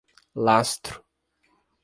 Lastro